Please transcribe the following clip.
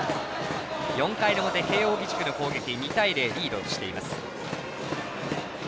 ４回の表、慶応義塾の攻撃２対０、リードしています。